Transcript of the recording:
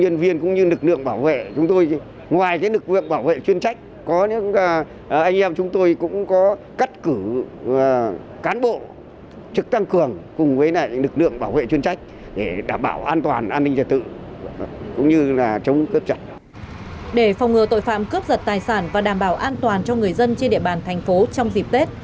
để phòng ngừa tội phạm cướp giật tài sản và đảm bảo an toàn cho người dân trên địa bàn thành phố trong dịp tết